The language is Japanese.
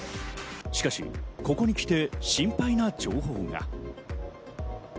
しかし、ここにきて心配な情報が。